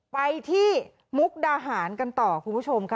ไปที่มุกดาหารกันต่อคุณผู้ชมค่ะ